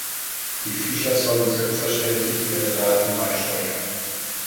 Die Fischer sollen selbstverständlich ihre Daten beisteuern.